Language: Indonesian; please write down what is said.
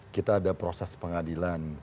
kita ada proses pengadilan